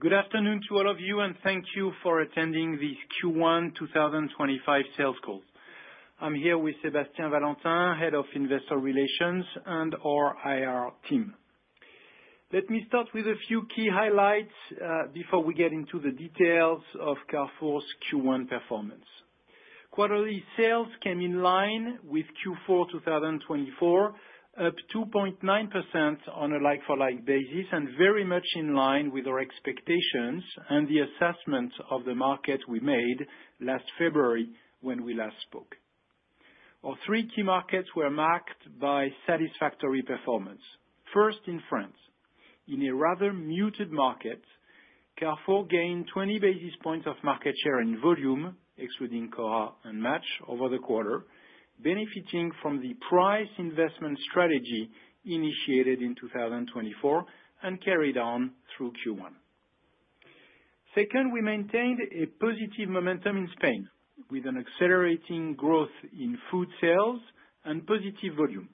Good afternoon to all of you, and thank you for attending this Q1 2025 sales call. I'm here with Sébastien Valentin, Head of Investor Relations and our IR team. Let me start with a few key highlights before we get into the details of Carrefour's Q1 performance. Quarterly sales came in line with Q4 2024, up 2.9% on a like-for-like basis and very much in line with our expectations and the assessment of the market we made last February when we last spoke. Our three key markets were marked by satisfactory performance. First, in France. In a rather muted market, Carrefour gained 20 basis points of market share in volume, excluding Cora and Match, over the quarter, benefiting from the price investment strategy initiated in 2024 and carried on through Q1. Second, we maintained a positive momentum in Spain, with an accelerating growth in food sales and positive volume.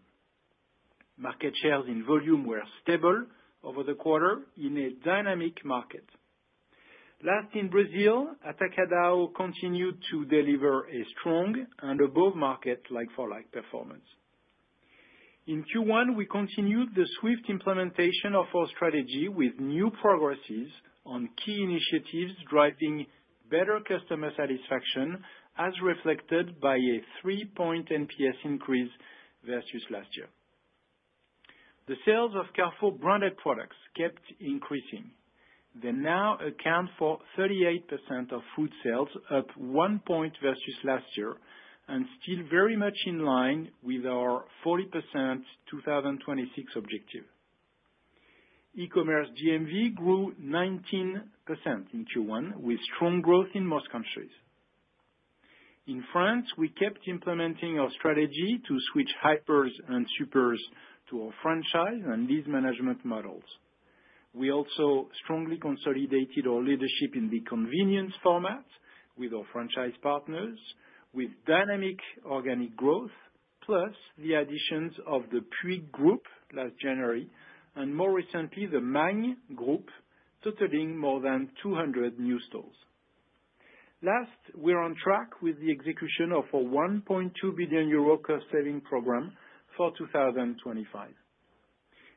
Market shares in volume were stable over the quarter in a dynamic market. Last, in Brazil, Atacadão continued to deliver a strong and above-market like-for-like performance. In Q1, we continued the swift implementation of our strategy with new progresses on key initiatives driving better customer satisfaction, as reflected by a 3-point NPS increase versus last year. The sales of Carrefour branded products kept increasing. They now account for 38% of food sales, up 1 point versus last year, and still very much in line with our 40% 2026 objective. E-commerce GMV grew 19% in Q1, with strong growth in most countries. In France, we kept implementing our strategy to switch hypers and supers to our franchise and lease management models. We also strongly consolidated our leadership in the convenience format with our franchise partners, with dynamic organic growth, plus the additions of the Puig Group last January and, more recently, the Magne Group, totaling more than 200 new stores. Last, we're on track with the execution of our 1.2 billion euro cost-saving program for 2025.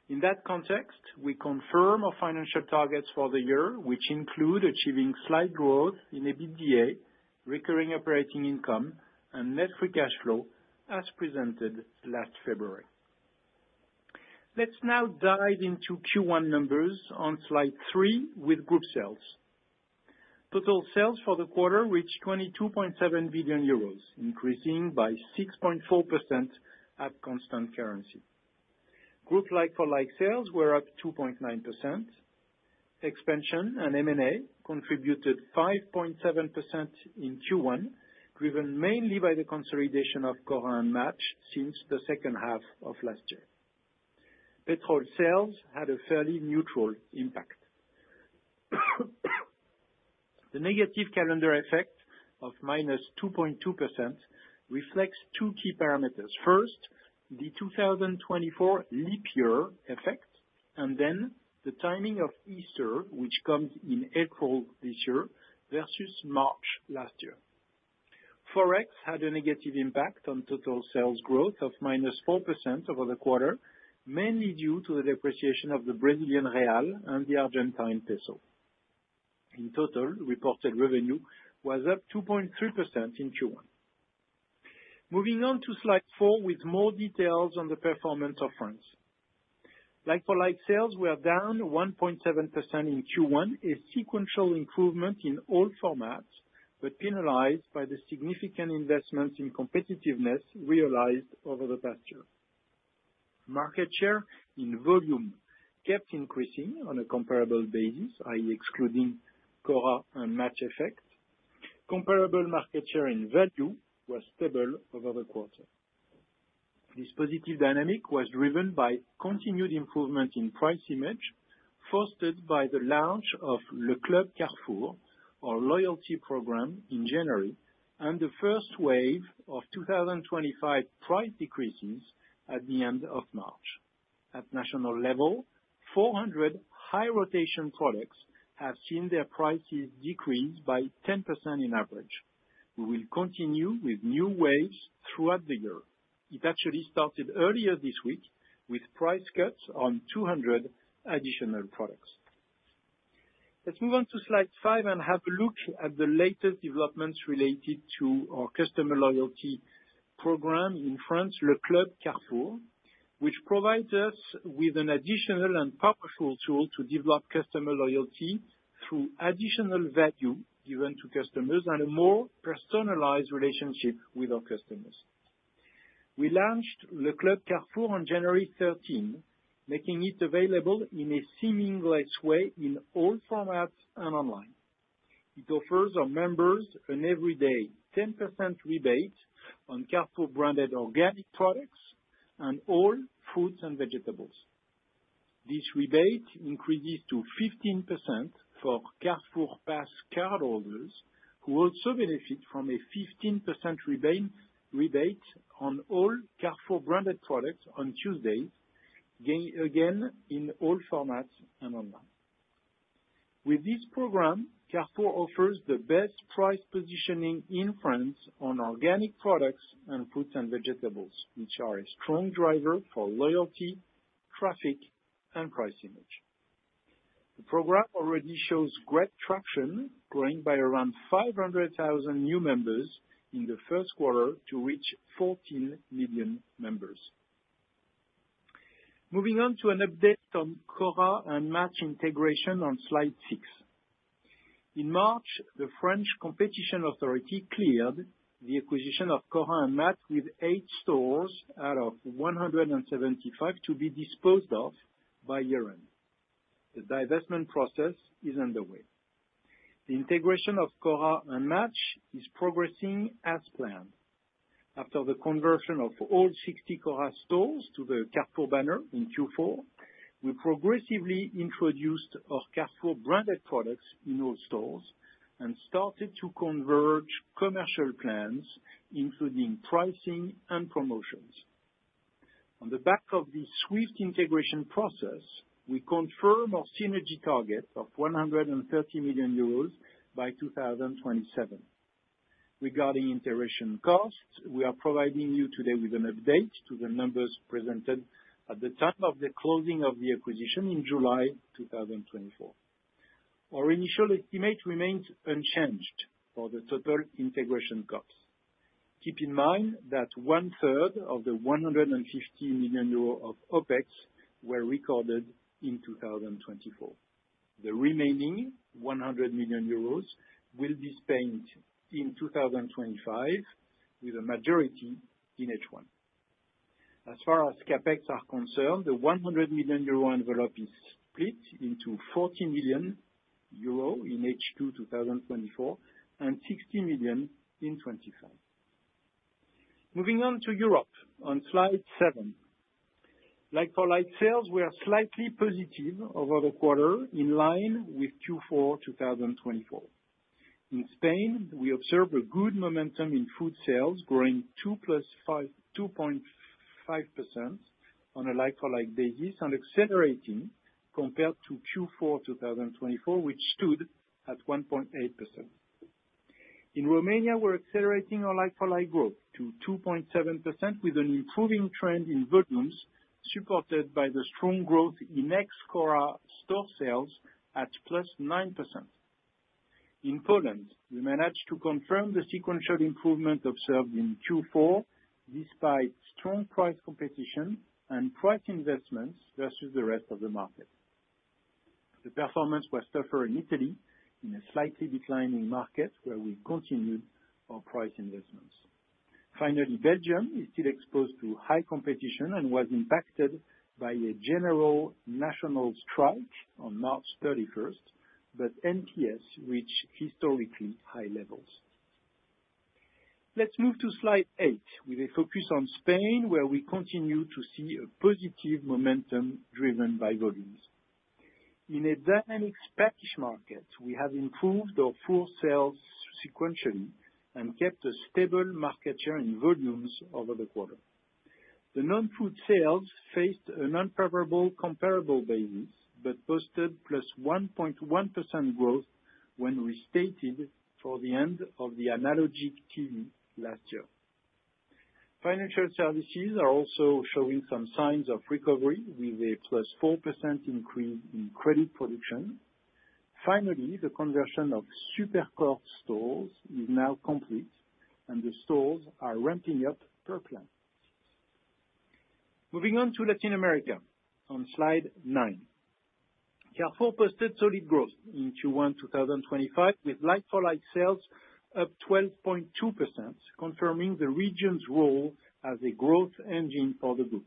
In that context, we confirm our financial targets for the year, which include achieving slight growth in EBITDA, recurring operating income, and net free cash flow, as presented last February. Let's now dive into Q1 numbers on slide 3 with group sales. Total sales for the quarter reached 22.7 billion euros, increasing by 6.4% at constant currency. Group like-for-like sales were up 2.9%. Expansion and M&A contributed 5.7% in Q1, driven mainly by the consolidation of Cora and Match since the second half of last year. Petrol sales had a fairly neutral impact. The negative calendar effect of minus 2.2% reflects two key parameters. First, the 2024 leap year effect, and then the timing of Easter, which comes in April this year versus March last year. Forex had a negative impact on total sales growth of -4% over the quarter, mainly due to the depreciation of the Brazilian real and the Argentine peso. In total, reported revenue was up 2.3% in Q1. Moving on to slide 4 with more details on the performance of France. Like-for-like sales were down 1.7% in Q1, a sequential improvement in all formats, but penalized by the significant investments in competitiveness realized over the past year. Market share in volume kept increasing on a comparable basis, i.e., excluding Cora and Match effect. Comparable market share in value was stable over the quarter. This positive dynamic was driven by continued improvement in price image, fostered by the launch of Le Club Carrefour, our loyalty program in January, and the first wave of 2025 price decreases at the end of March. At national level, 400 high-rotation products have seen their prices decrease by 10% in average. We will continue with new waves throughout the year. It actually started earlier this week with price cuts on 200 additional products. Let's move on to slide 5 and have a look at the latest developments related to our customer loyalty program in France, Le Club Carrefour, which provides us with an additional and powerful tool to develop customer loyalty through additional value given to customers and a more personalized relationship with our customers. We launched Le Club Carrefour on January 13, making it available in a seamless way in all formats and online. It offers our members an everyday 10% rebate on Carrefour-branded organic products and all fruits and vegetables. This rebate increases to 15% for Carrefour Pass cardholders, who also benefit from a 15% rebate on all Carrefour-branded products on Tuesdays, again in all formats and online. With this program, Carrefour offers the best price positioning in France on organic products and fruits and vegetables, which are a strong driver for loyalty, traffic, and price image. The program already shows great traction, growing by around 500,000 new members in the first quarter to reach 14 million members. Moving on to an update on Cora and Match integration on slide 6. In March, the French Competition Authority cleared the acquisition of Cora and Match with eight stores out of 175 to be disposed of by year-end. The divestment process is underway. The integration of Cora and Match is progressing as planned. After the conversion of all 60 Cora stores to the Carrefour banner in Q4, we progressively introduced our Carrefour-branded products in all stores and started to converge commercial plans, including pricing and promotions. On the back of this swift integration process, we confirm our synergy target of 130 million euros by 2027. Regarding integration costs, we are providing you today with an update to the numbers presented at the time of the closing of the acquisition in July 2024. Our initial estimate remains unchanged for the total integration costs. Keep in mind that one-third of the 150 million euro of OPEX were recorded in 2024. The remaining 100 million euros will be spent in 2025, with a majority in H1. As far as CAPEX are concerned, the 100 million euro envelope is split into 14 million euro in H2 2024 and 60 million in 2025. Moving on to Europe, on slide 7. Like-for-like sales were slightly positive over the quarter, in line with Q4 2024. In Spain, we observed a good momentum in food sales, growing 2.5% on a like-for-like basis and accelerating compared to Q4 2024, which stood at 1.8%. In Romania, we're accelerating our like-for-like growth to 2.7%, with an improving trend in volumes supported by the strong growth in ex-Cora store sales at plus 9%. In Poland, we managed to confirm the sequential improvement observed in Q4, despite strong price competition and price investments versus the rest of the market. The performance was tougher in Italy, in a slightly declining market, where we continued our price investments. Finally, Belgium is still exposed to high competition and was impacted by a general national strike on March 31, but NPS reached historically high levels. Let's move to slide 8, with a focus on Spain, where we continue to see a positive momentum driven by volumes. In a dynamic Spanish market, we have improved our food sales sequentially and kept a stable market share in volumes over the quarter. The non-food sales faced an unfavorable comparable basis but posted +1.1% growth when we stated for the end of the analogy team last year. Financial services are also showing some signs of recovery, with a +4% increase in credit production. Finally, the conversion of SuperCor stores is now complete, and the stores are ramping up per plan. Moving on to Latin America, on slide 9. Carrefour posted solid growth in Q1 2025, with like-for-like sales up 12.2%, confirming the region's role as a growth engine for the group.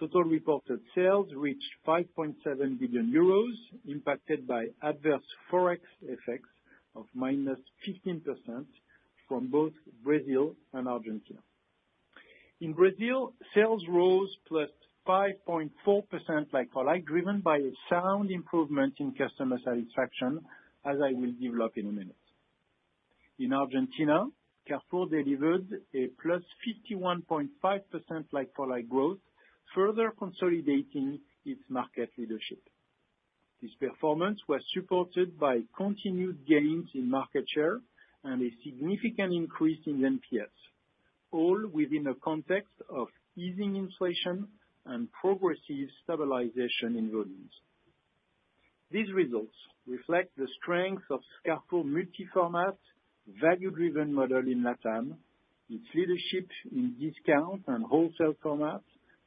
Total reported sales reached 5.7 billion euros, impacted by adverse forex effects of minus 15% from both Brazil and Argentina. In Brazil, sales rose plus 5.4% like-for-like, driven by a sound improvement in customer satisfaction, as I will develop in a minute. In Argentina, Carrefour delivered a plus 51.5% like-for-like growth, further consolidating its market leadership. This performance was supported by continued gains in market share and a significant increase in NPS, all within a context of easing inflation and progressive stabilization in volumes. These results reflect the strength of Carrefour multi-format value-driven model in LatAm, its leadership in discount and wholesale format,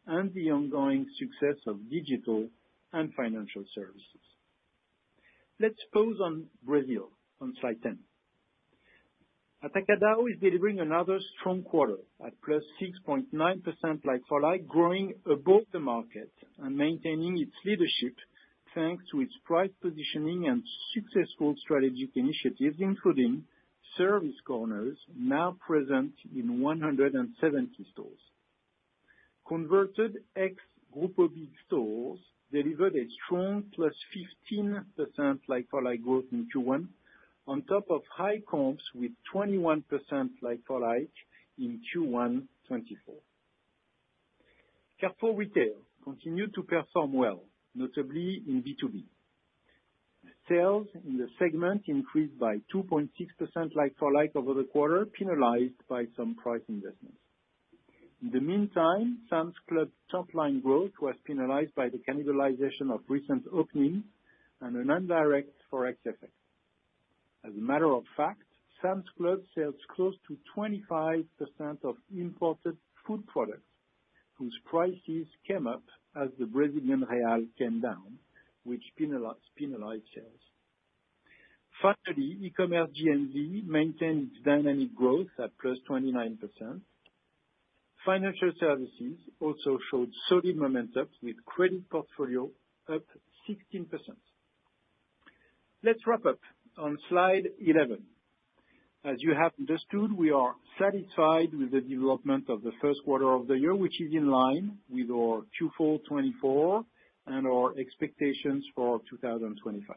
and the ongoing success of digital and financial services. Let's focus on Brazil, on slide 10. Atacadão is delivering another strong quarter at +6.9% like-for-like, growing above the market and maintaining its leadership thanks to its price positioning and successful strategic initiatives, including service corners now present in 170 stores. Converted ex-Grupo Big stores delivered a strong +15% like-for-like growth in Q1, on top of high comps with 21% like-for-like in Q1 2024. Carrefour Retail continued to perform well, notably in B2B. Sales in the segment increased by 2.6% like-for-like over the quarter, penalized by some price investments. In the meantime, Sam's Club top-line growth was penalized by the cannibalization of recent openings and an indirect forex effect. As a matter of fact, Sam's Club sells close to 25% of imported food products, whose prices came up as the Brazilian real came down, which penalized sales. Finally, e-commerce DMV maintained its dynamic growth at +29%. Financial services also showed solid momentum, with credit portfolio up 16%. Let's wrap up on slide 11. As you have understood, we are satisfied with the development of the first quarter of the year, which is in line with our Q4 2024 and our expectations for 2025.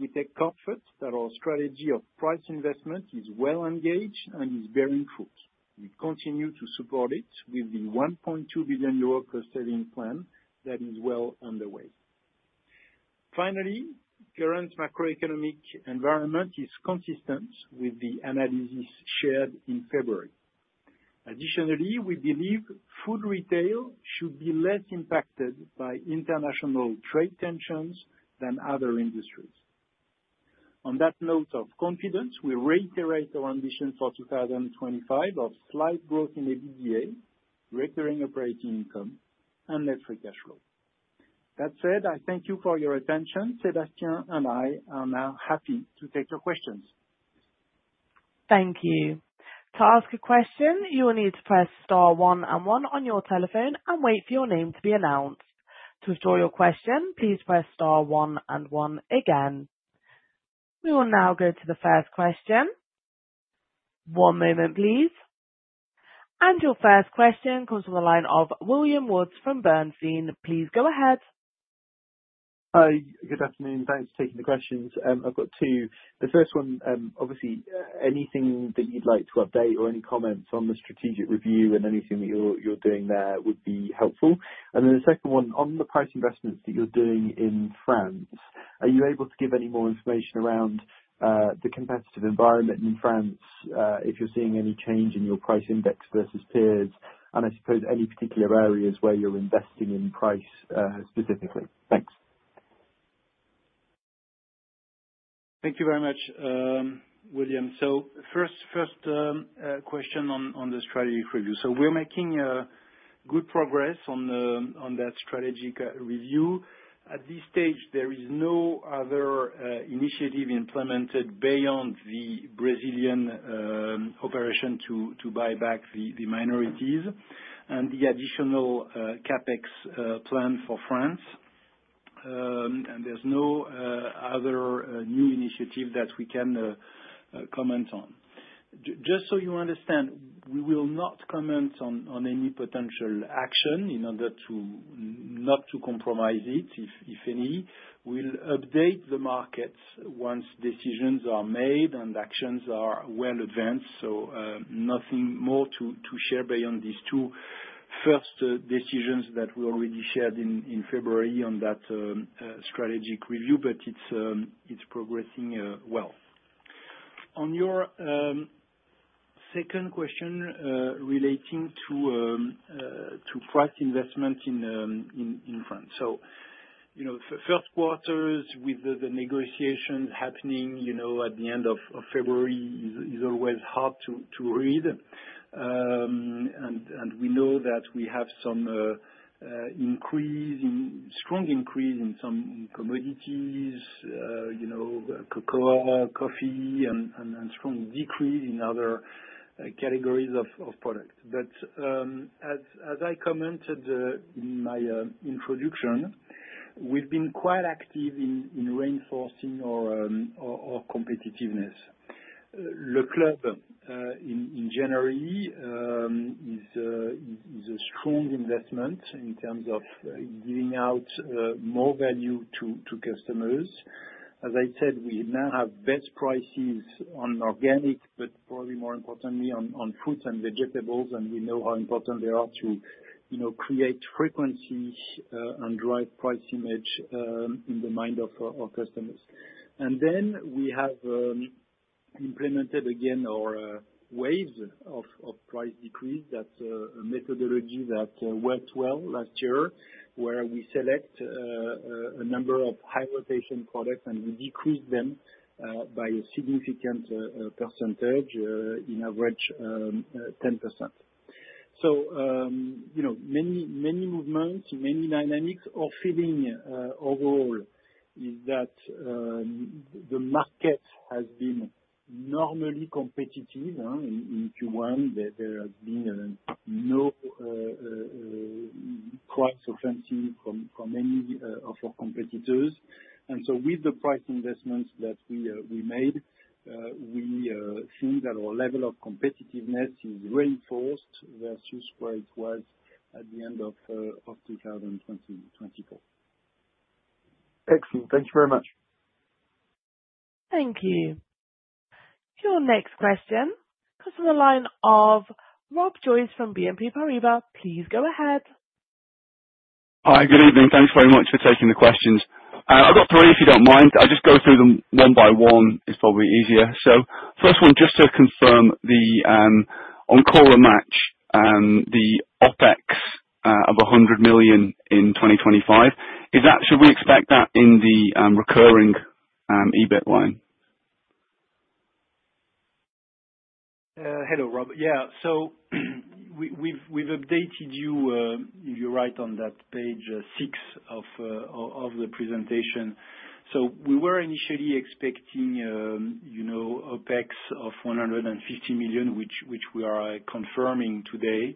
We take comfort that our strategy of price investment is well engaged and is bearing fruit. We continue to support it with the 1.2 billion euro cost-saving plan that is well underway. Finally, current macroeconomic environment is consistent with the analysis shared in February. Additionally, we believe food retail should be less impacted by international trade tensions than other industries. On that note of confidence, we reiterate our ambition for 2025 of slight growth in EBITDA, recurring operating income, and net free cash flow. That said, I thank you for your attention. Sébastien and I are now happy to take your questions. Thank you. To ask a question, you will need to press star one and one on your telephone and wait for your name to be announced. To withdraw your question, please press star one and one again. We will now go to the first question. One moment, please. Your first question comes from the line of William Woods from Bernstein. Please go ahead. Good afternoon. Thanks for taking the questions. I've got two. The first one, obviously, anything that you'd like to update or any comments on the strategic review and anything that you're doing there would be helpful. The second one, on the price investments that you're doing in France, are you able to give any more information around the competitive environment in France, if you're seeing any change in your price index versus peers, and I suppose any particular areas where you're investing in price specifically? Thanks. Thank you very much, William. First question on the strategic review. We're making good progress on that strategic review. At this stage, there is no other initiative implemented beyond the Brazilian operation to buy back the minorities and the additional CAPEX plan for France. There's no other new initiative that we can comment on. Just so you understand, we will not comment on any potential action in order not to compromise it, if any. We'll update the markets once decisions are made and actions are well advanced. Nothing more to share beyond these two first decisions that we already shared in February on that strategic review, but it's progressing well. On your second question relating to price investment in France. First quarters with the negotiations happening at the end of February is always hard to read. We know that we have some increase, strong increase in some commodities, cocoa, coffee, and strong decrease in other categories of products. As I commented in my introduction, we've been quite active in reinforcing our competitiveness. Le Club in January is a strong investment in terms of giving out more value to customers. As I said, we now have best prices on organic, but probably more importantly on fruits and vegetables, and we know how important they are to create frequency and drive price image in the mind of our customers. We have implemented again our waves of price decrease. That is a methodology that worked well last year, where we select a number of high-rotation products and we decrease them by a significant percentage, in average 10%. Many movements, many dynamics. Our feeling overall is that the market has been normally competitive in Q1. There has been no price offensive from any of our competitors. With the price investments that we made, we think that our level of competitiveness is reinforced versus where it was at the end of 2024. Excellent. Thank you very much. Thank you. Your next question comes from the line of Rob Joyce from BNP Paribas. Please go ahead. Hi, good evening. Thanks very much for taking the questions. I've got three, if you do not mind. I'll just go through them one by one. It's probably easier. First one, just to confirm the on-caller Match, the OPEX of 100 million in 2025. Should we expect that in the recurring EBIT line? Hello, Rob. Yeah. We've updated you, if you're right, on that page six of the presentation. We were initially expecting OPEX of 150 million, which we are confirming today.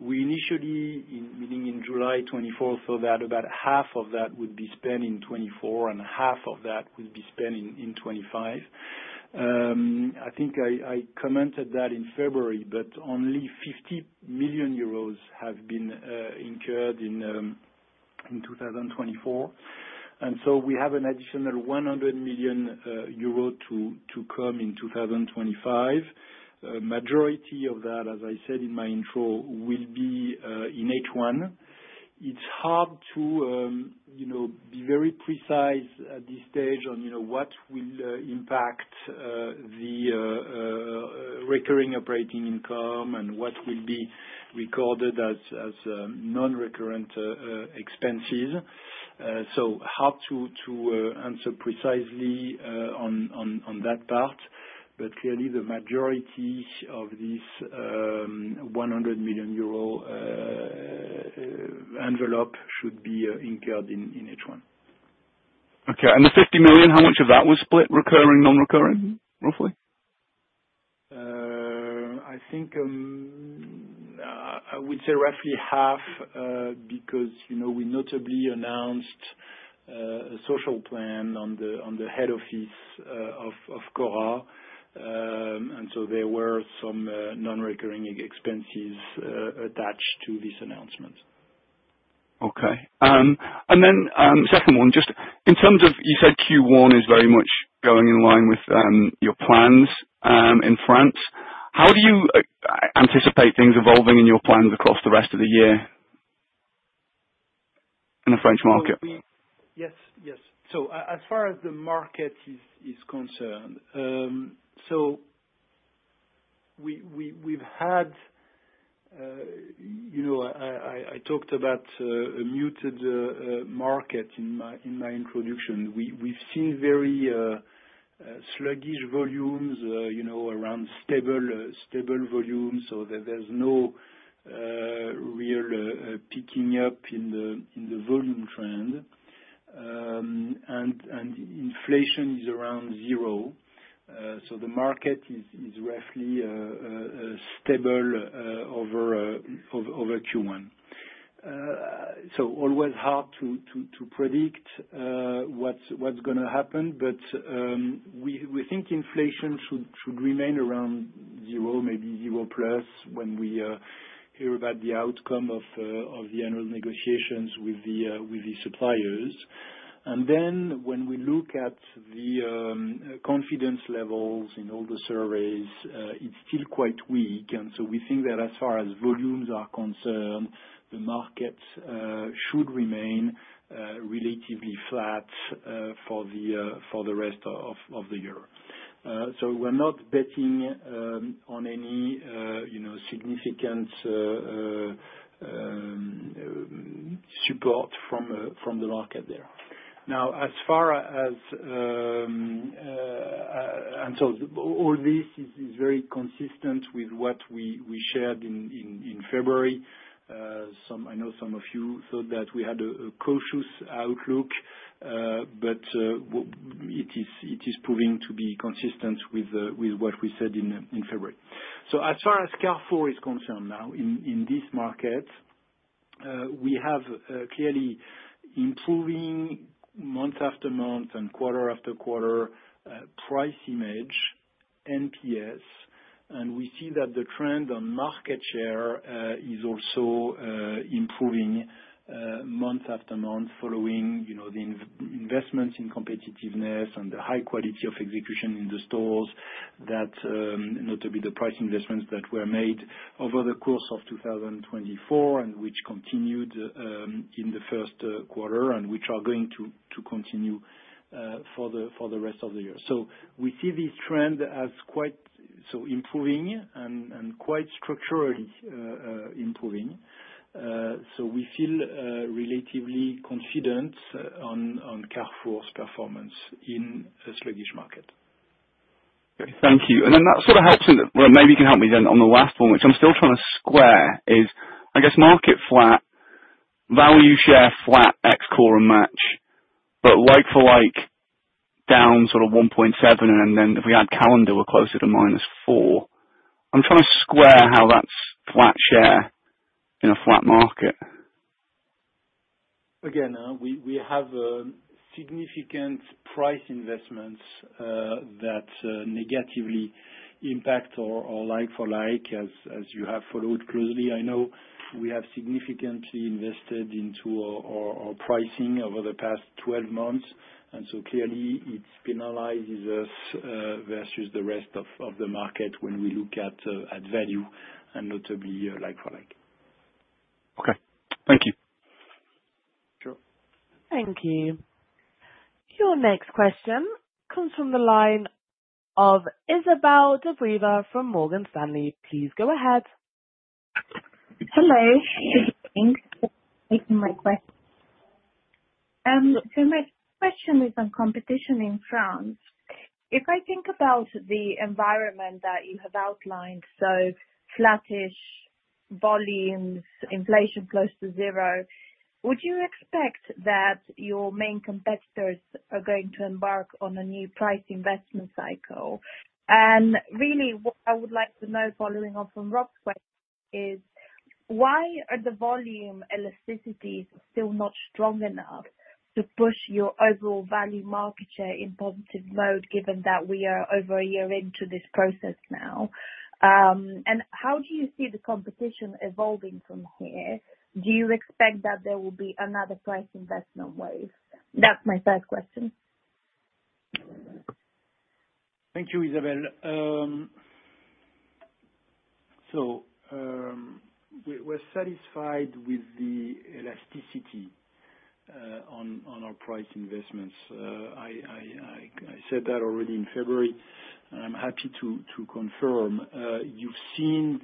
We initially, meaning in July 2024, thought that about half of that would be spent in 2024 and half of that would be spent in 2025. I think I commented that in February, but only 50 million euros have been incurred in 2024. We have an additional 100 million euro to come in 2025. Majority of that, as I said in my intro, will be in H1. It is hard to be very precise at this stage on what will impact the recurring operating income and what will be recorded as non-recurrent expenses. Hard to answer precisely on that part. Clearly, the majority of this 100 million euro envelope should be incurred in H1. Okay. The 50 million, how much of that was split recurring, non-recurring, roughly? I think I would say roughly half because we notably announced a social plan on the head office of Cora. There were some non-recurring expenses attached to this announcement. Okay. The second one, just in terms of you said Q1 is very much going in line with your plans in France. How do you anticipate things evolving in your plans across the rest of the year in the French market? Yes. Yes. As far as the market is concerned, we have had, I talked about a muted market in my introduction. We have seen very sluggish volumes around stable volumes, so there is no real picking up in the volume trend. Inflation is around 0%. The market is roughly stable over Q1. It is always hard to predict what is going to happen, but we think inflation should remain around 0%, maybe zero-plus, when we hear about the outcome of the annual negotiations with the suppliers. When we look at the confidence levels in all the surveys, it's still quite weak. We think that as far as volumes are concerned, the markets should remain relatively flat for the rest of the year. We're not betting on any significant support from the market there. As far as, and all this is very consistent with what we shared in February. I know some of you thought that we had a cautious outlook, but it is proving to be consistent with what we said in February. As far as Carrefour is concerned now, in this market, we have clearly improving month after month and quarter after quarter price image, NPS. We see that the trend on market share is also improving month after month following the investments in competitiveness and the high quality of execution in the stores, notably the price investments that were made over the course of 2024 and which continued in the first quarter and which are going to continue for the rest of the year. We see this trend as quite so improving and quite structurally improving. We feel relatively confident on Carrefour's performance in a sluggish market. Thank you. That sort of helps in, maybe you can help me then on the last one, which I'm still trying to square, is I guess market flat, value share flat, ex-Cora and Match, but like-for-like down sort of 1.7%, and then if we add calendar, we're closer to minus 4%. I'm trying to square how that's flat share in a flat market. Again, we have significant price investments that negatively impact our like-for-like, as you have followed closely. I know we have significantly invested into our pricing over the past 12 months. Clearly, it penalizes us versus the rest of the market when we look at value and notably like-for-like. Thank you. Sure. Thank you. Your next question comes from the line of Izabel Dobreva from Morgan Stanley. Please go ahead. Hello. Good evening. Thank you for taking my question. My question is on competition in France. If I think about the environment that you have outlined, flattish volumes, inflation close to zero, would you expect that your main competitors are going to embark on a new price investment cycle? Really, what I would like to know following on from Rob's question is, why are the volume elasticities still not strong enough to push your overall value market share in positive mode, given that we are over a year into this process now? How do you see the competition evolving from here? Do you expect that there will be another price investment wave? That's my first question. Thank you, Izabel. We are satisfied with the elasticity on our price investments. I said that already in February, and I'm happy to confirm. You have seen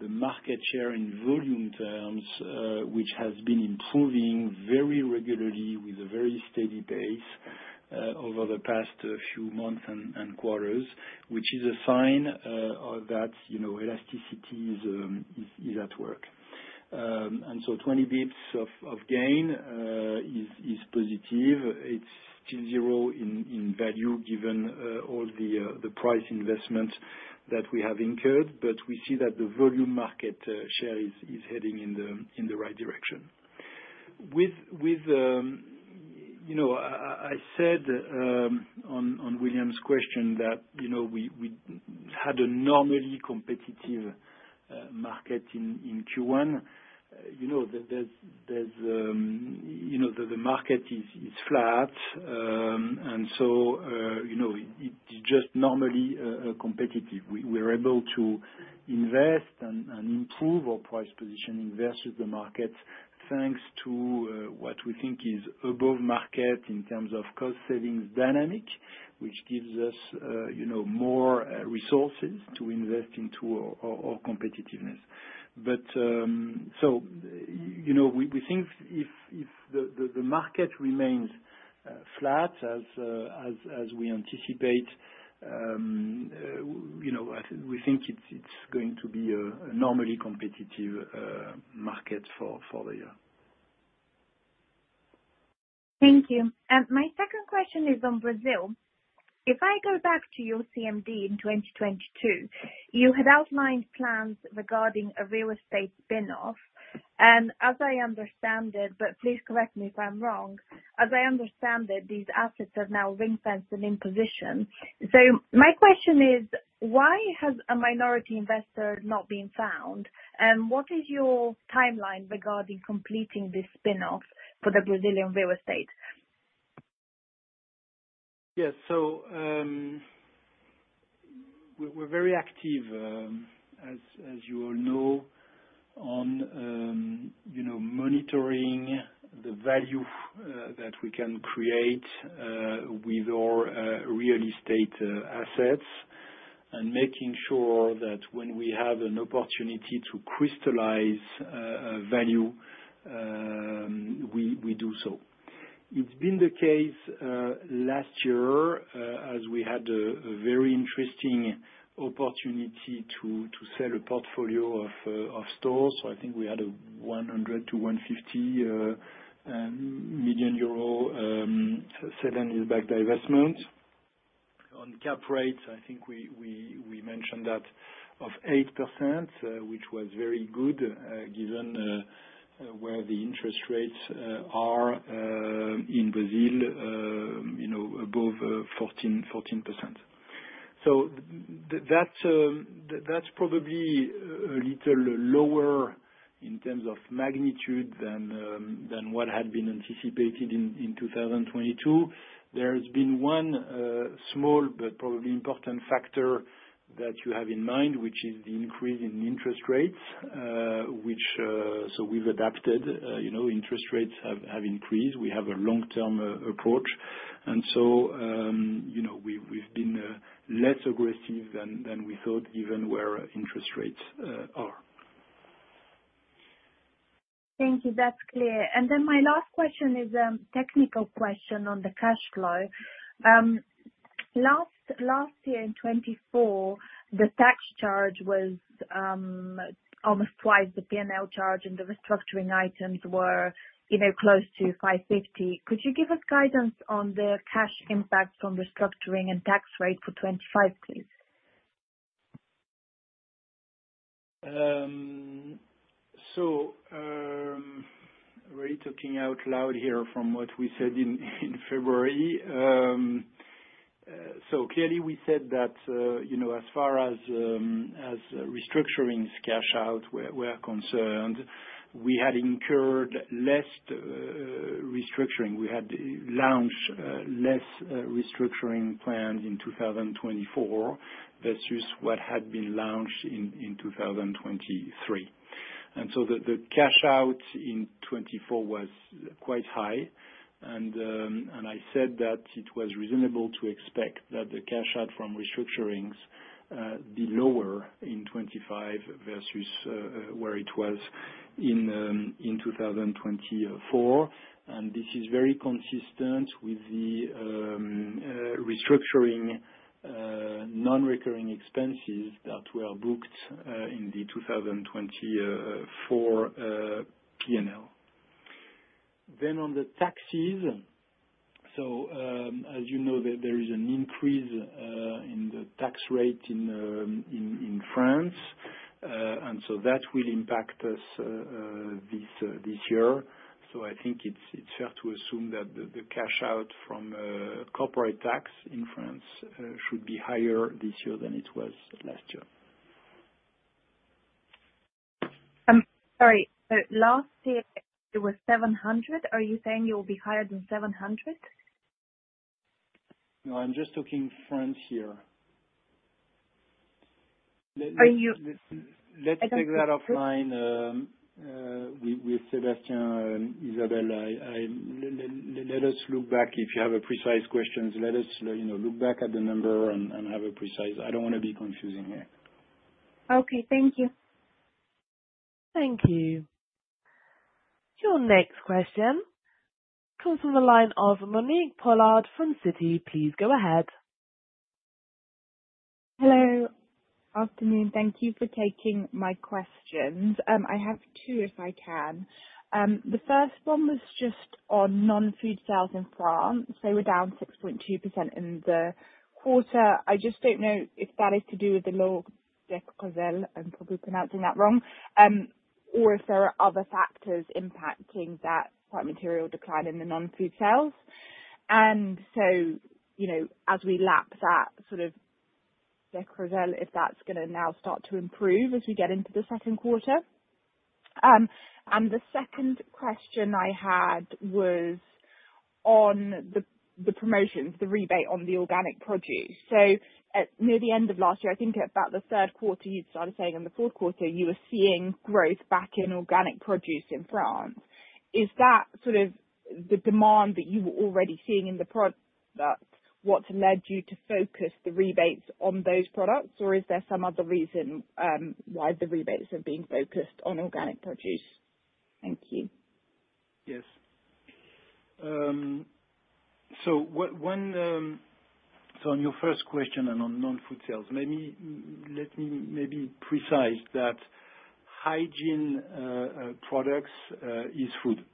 the market share in volume terms, which has been improving very regularly with a very steady pace over the past few months and quarters, which is a sign that elasticity is at work. Twenty basis points of gain is positive. It's still zero in value given all the price investments that we have incurred, but we see that the volume market share is heading in the right direction. I said on William's question that we had a normally competitive market in Q1. The market is flat, and so it's just normally competitive. We are able to invest and improve our price positioning versus the market thanks to what we think is above market in terms of cost savings dynamic, which gives us more resources to invest into our competitiveness. We think if the market remains flat as we anticipate, we think it's going to be a normally competitive market for the year. Thank you. My second question is on Brazil. If I go back to your CMD in 2022, you had outlined plans regarding a real estate spin-off. As I understand it, but please correct me if I'm wrong, as I understand it, these assets are now ring-fenced and in position. My question is, why has a minority investor not been found? What is your timeline regarding completing this spin-off for the Brazilian real estate? Yes. We are very active, as you all know, on monitoring the value that we can create with our real estate assets and making sure that when we have an opportunity to crystallize value, we do so. It has been the case last year as we had a very interesting opportunity to sell a portfolio of stores. I think we had a 100 million-150 million euro sell-and-lease-back divestment. On cap rates, I think we mentioned that of 8%, which was very good given where the interest rates are in Brazil, above 14%. That's probably a little lower in terms of magnitude than what had been anticipated in 2022. There has been one small but probably important factor that you have in mind, which is the increase in interest rates, which we have adapted. Interest rates have increased. We have a long-term approach. We have been less aggressive than we thought given where interest rates are. Thank you. That's clear. My last question is a technical question on the cash flow. Last year in 2024, the tax charge was almost twice the P&L charge, and the restructuring items were close to 550. Could you give us guidance on the cash impact from restructuring and tax rate for 2025, please? Are we talking out loud here from what we said in February? Clearly, we said that as far as restructuring's cash out were concerned, we had incurred less restructuring. We had launched less restructuring plans in 2024 versus what had been launched in 2023. The cash out in 2024 was quite high. I said that it was reasonable to expect that the cash out from restructurings be lower in 2025 versus where it was in 2024. This is very consistent with the restructuring non-recurring expenses that were booked in the 2024 P&L. On the taxes, as you know, there is an increase in the tax rate in France. That will impact us this year. I think it's fair to assume that the cash out from corporate tax in France should be higher this year than it was last year. I'm sorry. Last year, it was 700 million. Are you saying it will be higher than 700? No, I'm just talking frank here. Let's take that offline with Sébastien and, Izabel let us look back if you have precise questions, let us look back at the number and have a precise. I don't want to be confusing here. Okay. Thank you. Thank you. Your next question comes from the line of Monique Pollard from Citi. Please go ahead. Hello. Afternoon. Thank you for taking my questions. I have two if I can. The first one was just on non-food sales in France. They were down 6.2% in the quarter. I just don't know if that is to do with the Loi Descrozaille, because I'm probably pronouncing that wrong, or if there are other factors impacting that quite material decline in the non-food sales. As we lap that sort of deck, if that's going to now start to improve as we get into the second quarter. The second question I had was on the promotions, the rebate on the organic produce. Near the end of last year, I think about the third quarter, you started saying in the fourth quarter, you were seeing growth back in organic produce in France. Is that sort of the demand that you were already seeing in the product? What's led you to focus the rebates on those products, or is there some other reason why the rebates have been focused on organic produce? Thank you. Yes. On your first question and on non-food sales, let me maybe precise that hygiene products is food.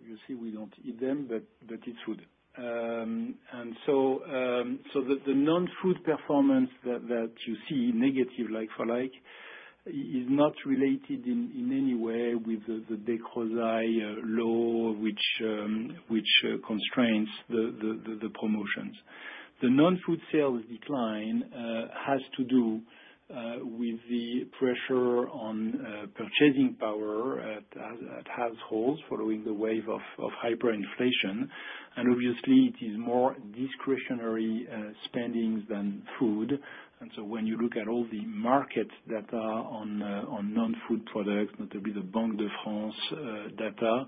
Obviously, we don't eat them, but it's food. The non-food performance that you see, negative like-for-like, is not related in any way with the Descrozaille law, which constrains the promotions. The non-food sales decline has to do with the pressure on purchasing power at households following the wave of hyperinflation. Obviously, it is more discretionary spendings than food. When you look at all the market data on non-food products, notably the Banque de France data,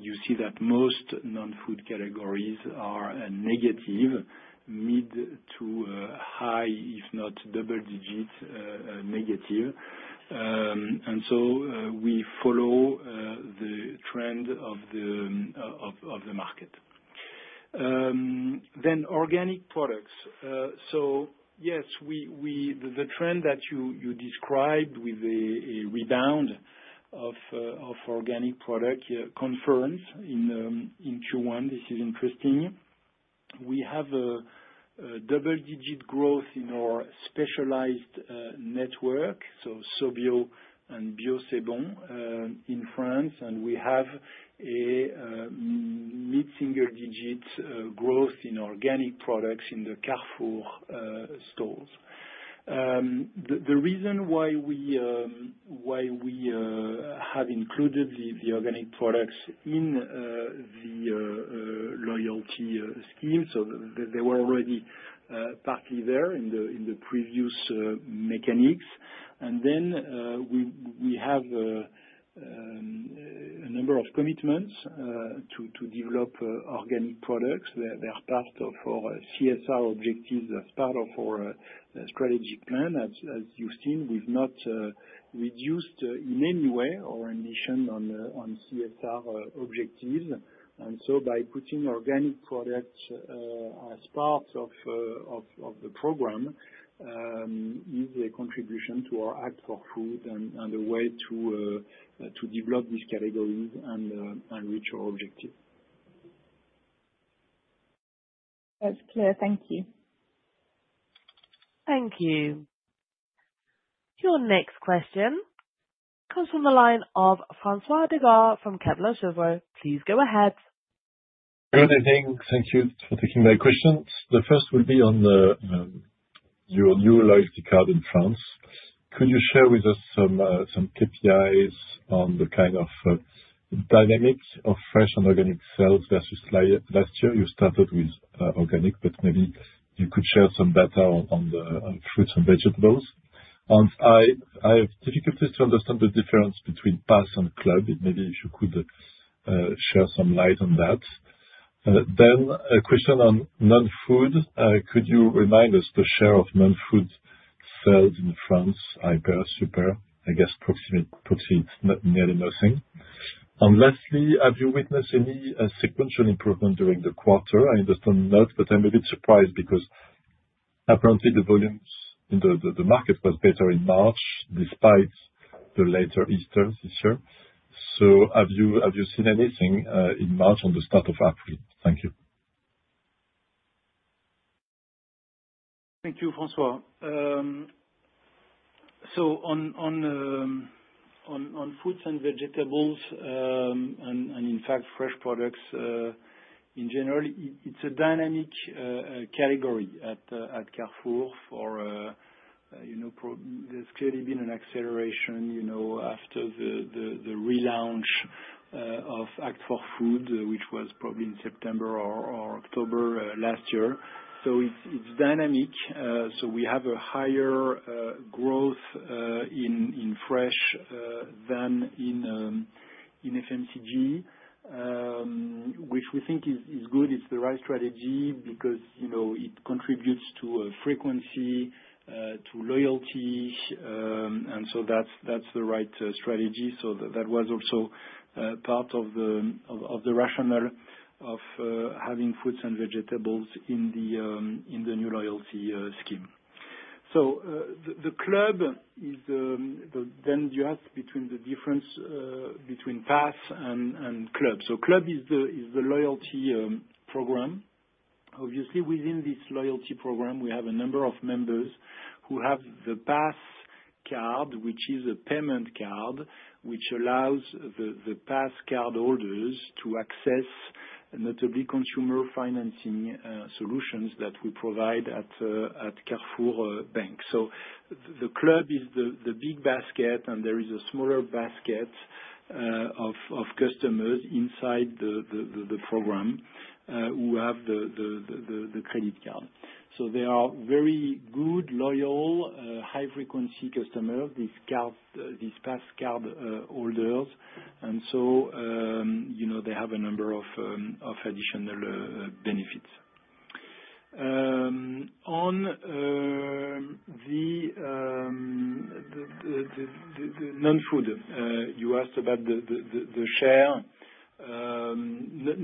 you see that most non-food categories are negative, mid to high, if not double-digit negative. We follow the trend of the market. Organic products. Yes, the trend that you described with a rebound of organic product confirms in Q1. This is interesting. We have a double-digit growth in our specialized network, so So.bio and Bio c' Bon in France, and we have a mid-single-digit growth in organic products in the Carrefour stores. The reason why we have included the organic products in the loyalty scheme, they were already partly there in the previous mechanics. We have a number of commitments to develop organic products. They're part of our CSR objectives as part of our strategy plan, as you've seen. We've not reduced in any way our ambition on CSR objectives. By putting organic products as part of the program, it is a contribution to our Act for Food and a way to develop these categories and reach our objective. That's clear. Thank you. Thank you. Your next question comes from the line of François Digard from Kepler Cheuvreux. Please go ahead. Good evening. Thank you for taking my questions. The first would be on your new loyalty card in France. Could you share with us some KPIs on the kind of dynamic of fresh and organic sales versus last year? You started with organic, but maybe you could share some data on the fruits and vegetables. I have difficulties to understand the difference between Pass and Club. Maybe if you could share some light on that. A question on non-food. Could you remind us the share of non-food sales in France? IPR, super. I guess proximity, nearly nothing. Lastly, have you witnessed any sequential improvement during the quarter? I understand not, but I'm a bit surprised because apparently the volumes in the market were better in March despite the later Easter this year. Have you seen anything in March on the start of April? Thank you. Thank you, François. On foods and vegetables, and in fact, fresh products in general, it's a dynamic category at Carrefour for there's clearly been an acceleration after the relaunch of Act for Food, which was probably in September or October last year. It's dynamic. We have a higher growth in fresh than in FMCG, which we think is good. It's the right strategy because it contributes to frequency, to loyalty. That's the right strategy. That was also part of the rationale of having fruits and vegetables in the new loyalty scheme. The Club, then you asked between the difference between Pass and Club. Club is the loyalty program. Obviously, within this loyalty program, we have a number of members who have the Pass card, which is a payment card which allows the Pass cardholders to access notably consumer financing solutions that we provide at Carrefour Bank. The Club is the big basket, and there is a smaller basket of customers inside the program who have the credit card. They are very good, loyal, high-frequency customers, these Pass cardholders. They have a number of additional benefits. On the non-food, you asked about the share.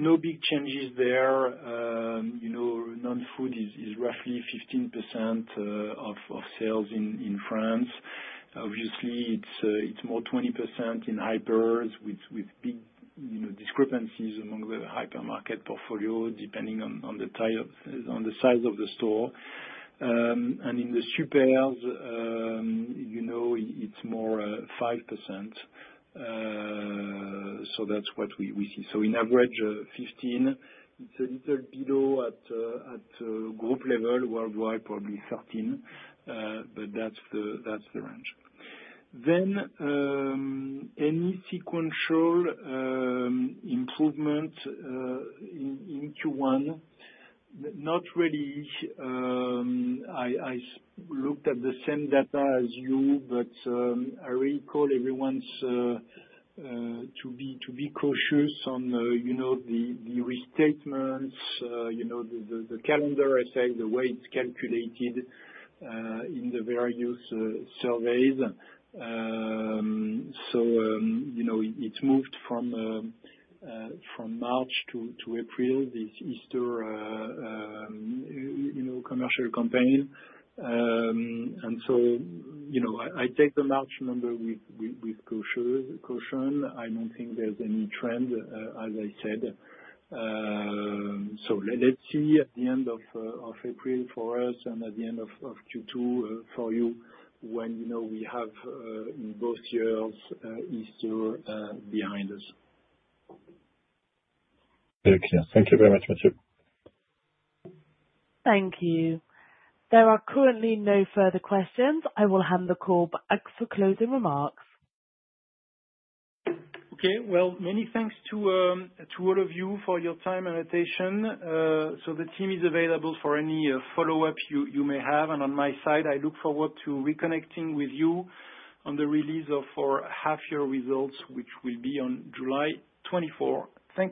No big changes there. Non-food is roughly 15% of sales in France. It is more 20% in hypers with big discrepancies among the hypermarket portfolio depending on the size of the store. In the supers, it is more 5%. That is what we see. In average, 15%. It's a little below at group level, worldwide probably 13, but that's the range. Any sequential improvement in Q1? Not really. I looked at the same data as you, but I recall everyone's to be cautious on the restatements, the calendar effect, the way it's calculated in the various surveys. It has moved from March to April, this Easter commercial campaign. I take the March number with caution. I don't think there's any trend, as I said. Let's see at the end of April for us and at the end of Q2 for you when we have in both years Easter behind us. Very clear. Thank you very much, Matthieu. Thank you. There are currently no further questions. I will hand the call back for closing remarks. Many thanks to all of you for your time and attention. The team is available for any follow-up you may have. On my side, I look forward to reconnecting with you on the release of our half-year results, which will be on July 24. Thanks.